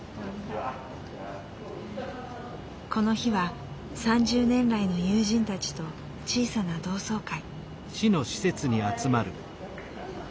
この日は３０年来の友人たちと小さな同窓会。